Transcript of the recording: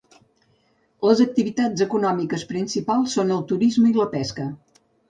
Les activitats econòmiques principals són el turisme i la pesca.